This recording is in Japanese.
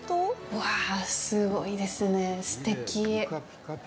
わあ、すごいですね、すてき。